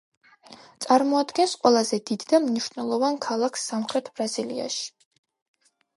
წარმოადგენს ყველაზე დიდ და მნიშვნელოვან ქალაქს სამხრეთ ბრაზილიაში.